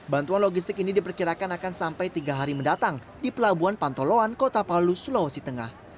bantuan logistik ini diperkirakan akan sampai tiga hari mendatang di pelabuhan pantoloan kota palu sulawesi tengah